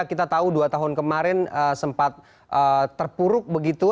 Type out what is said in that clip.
kita tahu dua tahun kemarin sempat terpuruk begitu